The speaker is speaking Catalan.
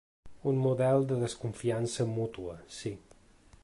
Un model de desconfiança mútua, sí.